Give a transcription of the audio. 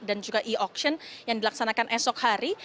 dan juga e auction yang dilaksanakan esok hari